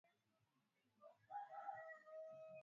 sehemu muhimu wa Agano Jipya Mmojawapo ni huu ufuatao Ufalme